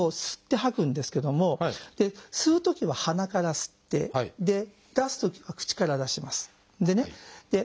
吸って吐くんですけども吸うときは鼻から吸ってで出すときは口から出します。